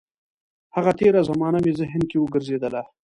هغه تېره زمانه مې ذهن کې وګرځېدله.